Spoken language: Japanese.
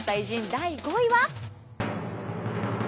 第５位は。